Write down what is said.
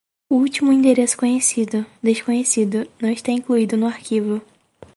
Último endereço conhecido: desconhecido, não está incluído no arquivo.